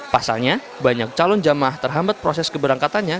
pasalnya banyak calon jemaah terhambat proses keberangkatannya